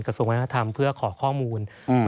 กระทรวมวธรรมรัฐที่สวนลงเพื่อขอข้อมูล